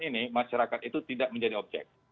ini masyarakat itu tidak menjadi objek